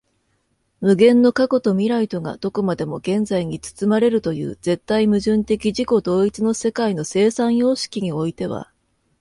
無限の過去と未来とがどこまでも現在に包まれるという絶対矛盾的自己同一の世界の生産様式においては、